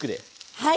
はい。